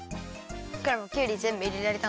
クラムもきゅうりぜんぶいれられたの？